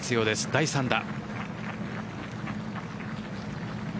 第３打。